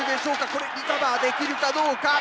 これリカバーできるかどうか？